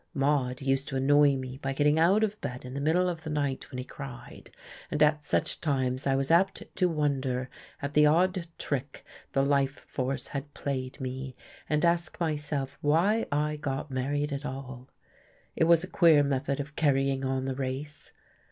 Maude used to annoy me by getting out of bed in the middle of the night when he cried, and at such times I was apt to wonder at the odd trick the life force had played me, and ask myself why I got married at all. It was a queer method of carrying on the race.